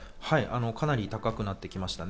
かなり高くなってきました。